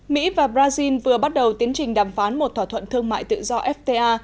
mỹ và brazil vừa bắt đầu tiến trình đàm phán một thỏa thuận thương mại tự do fta